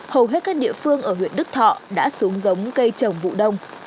hầu hết các địa phương ở huyện đức thọ đã xuống giống cây trồng vụ đông